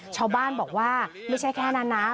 ชาวบ้านบอกว่าไม่ใช่แค่นั้นนะ